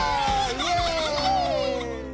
イエイ！